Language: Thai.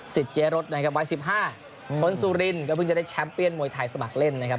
เจ๊รถนะครับวัย๑๕คนสุรินก็เพิ่งจะได้แชมป์เี้ยนมวยไทยสมัครเล่นนะครับ